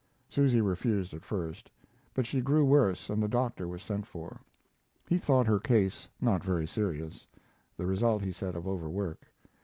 Susy refused at first, but she grew worse and the doctor was sent for. He thought her case not very serious the result, he said, of overwork.